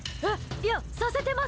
いやさせてます！